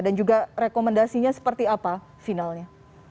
dan juga rekomendasinya seperti apa finalnya